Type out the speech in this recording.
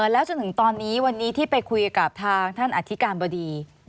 แล้วจนถึงตอนนี้วันนี้ที่ไปคุยกับทางท่านอธิการบดี